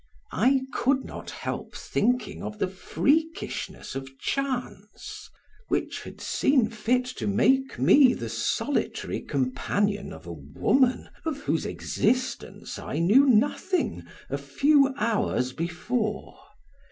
I could not help thinking of the freakishness of chance, which had seen fit to make me the solitary companion of a woman, of whose existence I knew nothing a few hours before.